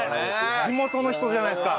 地元の人じゃないですか！